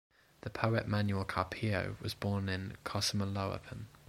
The poet Manuel Carpio was born in Cosamaloapan.